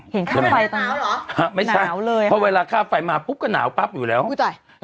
เห็นค่าไฟตอนนี้ว่านาวหรอหะไม่ใช่ครับนาวเลยครับเพราะเวลาค่าไฟมาพุกก็นาวปั๊บอยู่แล้วอุ๊ยจ๊ะ